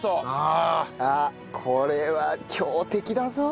あっこれは強敵だぞ。